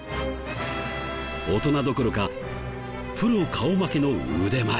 大人どころかプロ顔負けの腕前。